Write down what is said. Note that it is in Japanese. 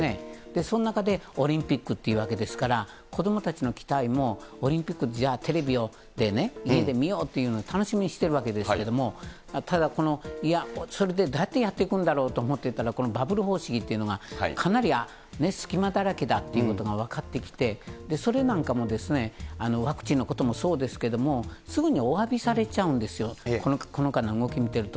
その中でオリンピックというわけですから、子どもたちの期待もオリンピック、じゃあ、テレビで家で見ようというのを楽しみにしているわけですけれども、ただこの、いや、それでどうやってやっていくんだろうと思ってたら、このバブル方式というのがかなり隙間だらけだということが分かってきて、それなんかも、ワクチンのこともそうですけど、すぐにおわびされちゃうんですよ、この間の動きを見ていると。